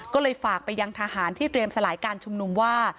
ก็เลยฝากไปยังทหารที่เตรียมสลายการชุมนุมว่า